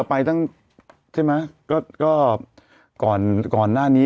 อย่างไร